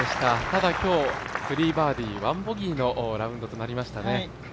ただ今日、３バーディー、１ボギーのラウンドとなりましたね。